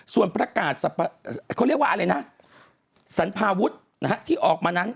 ส่วนประกาศเขาเรียกว่าอะไรนะสรรพาวุฒิที่ออกมานั้น